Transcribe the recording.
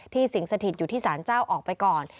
สิ่งสถิตอยู่ที่สารเจ้าออกไปก่อน